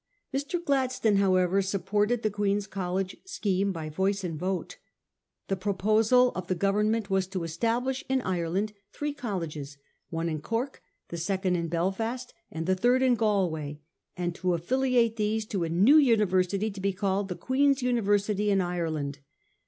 Mr. Gladstone, however, supported the Queen's College scheme by voice and vote. The proposal oi the Government was to establish in Ireland three colleges, one in Cork, the second in Belfast, and the third in Galway, and to affiliate these to a new univer sity to be called the * Queen's University in Ireland.